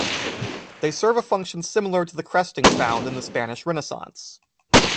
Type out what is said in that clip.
They serve a function similar to the cresting found in the Spanish Renaissance.